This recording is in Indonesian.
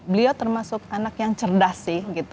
beliau termasuk anak yang cerdas sih